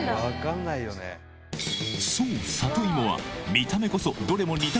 そう！